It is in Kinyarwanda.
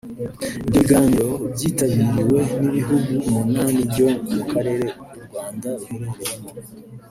Ibyo biganiro byitabiriwe n’ibihugu umunani byo mu Karere u Rwanda ruherereyemo